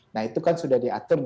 nah itu kan sudah diatur